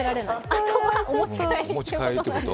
あとはお持ち帰り。